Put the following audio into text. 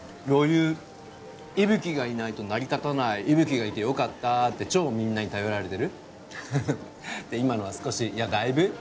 余裕伊吹がいないと成り立たない伊吹がいてよかったって超みんなに頼られてるって今のは少しいやだいぶ？